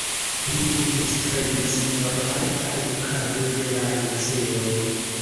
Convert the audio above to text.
Li multe strebis por alta edukado de la liceo.